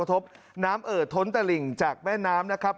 พบน้ำเอ่อท้นตะหลิ่งจากแม่น้ำนะครับ